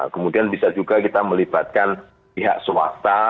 kemudian bisa juga kita melibatkan pihak swasta